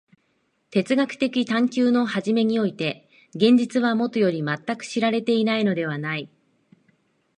哲学的探求の初めにおいて現実はもとより全く知られていないのではない。